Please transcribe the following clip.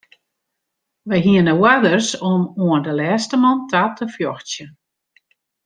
Wy hiene oarders om oan de lêste man ta te fjochtsjen.